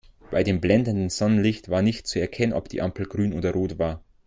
Bei dem blendenden Sonnenlicht war nicht zu erkennen, ob die Ampel grün oder rot war.